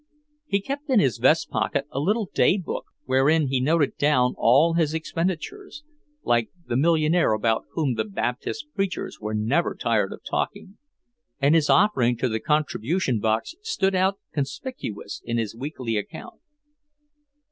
He kept in his vest pocket a little day book wherein he noted down all his expenditures, like the millionaire about whom the Baptist preachers were never tired of talking, and his offering to the contribution box stood out conspicuous in his weekly account.